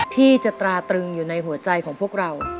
ที่จะตราตรึงอยู่ในหัวใจของพวกเรา